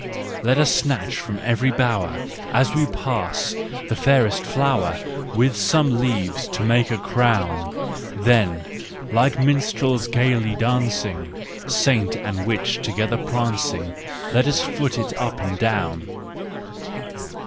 Let us snatch from every bower, As we pass, the fairest flower, With some leaves to make a crown ; Then, like minstrels gaily dancing, Saint and witch together prancing, Let us foot it up and down.